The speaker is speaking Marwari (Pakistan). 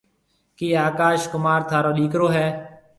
ڪِي آڪاش ڪمار ٿارو ڏيڪرو هيَ؟